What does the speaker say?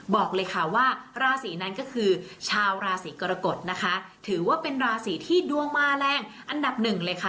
บอกเลยค่ะว่าราศีนั้นก็คือชาวราศีกรกฎนะคะถือว่าเป็นราศีที่ดวงมาแรงอันดับหนึ่งเลยค่ะ